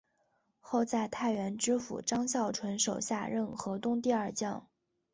后在太原知府张孝纯手下任河东第二将。